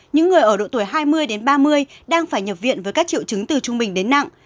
những người ở độ tuổi hai mươi đến ba mươi đang phải nhập viện với các triệu chứng từ trung bình đến nặng